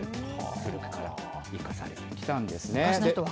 古くから生かされてきたんですね。